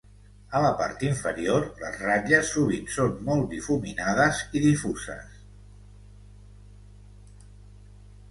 A la part inferior les ratlles sovint són molt difuminades i difuses.